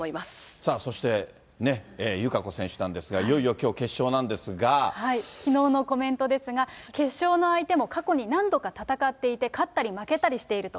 さあそして、友香子選手なんですが、きのうのコメントですが、決勝の相手も過去に何度か戦っていて、勝ったり負けたりしていると。